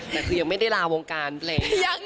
แต่คือยังไม่ได้ลาวงการเพลง